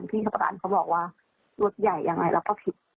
พี่ทัพประตานเขาบอกว่ารถใหญ่ยังไงเราก็ผิด